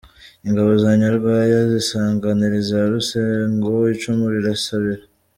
Ingabo za Nyarwaya zisanganira iza Rusengo icumu rirasabira.